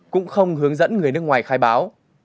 cũng không hướng dẫn người nước ngoài khai báo